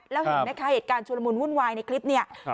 แล้วเห็นไหมคะเหตุการณ์ชุลมุนวุ่นวายในคลิปเนี่ย